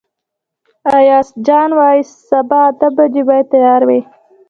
ایاز جان وايي سبا اته بجې باید تیار وئ.